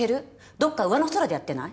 どっかうわの空でやってない？